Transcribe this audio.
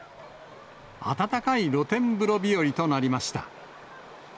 温かい露天風呂日和となりました。